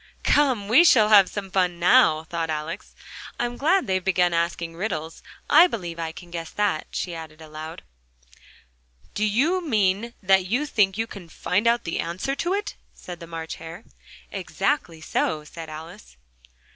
"Come, we shall have some fun now!" thought Alice. "I'm glad they've begun asking riddles I believe I can guess that," she added aloud. "Do you mean that you think you can find out the answer to it?" said the March Hare. "Exactly so," said Alice.